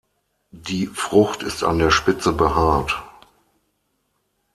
Die Frucht ist an der Spitze behaart.